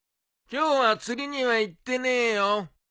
今日は釣りには行ってねえよ。